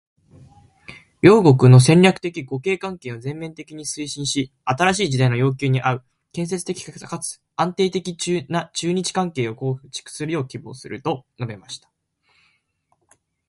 「両国の戦略的互恵関係を全面的に推進し、新しい時代の要求に合う建設的かつ安定的な中日関係を構築するよう希望する」と述べました。